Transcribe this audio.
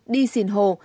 đi xìn hồ